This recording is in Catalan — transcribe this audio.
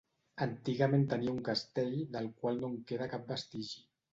Antigament tenia un castell del qual no en queda cap vestigi.